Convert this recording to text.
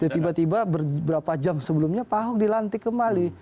tiba tiba berapa jam sebelumnya pak hock dilantik kembali